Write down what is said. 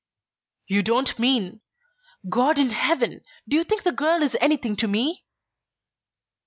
"You don't mean God in heaven! Do you think the girl is anything to me?"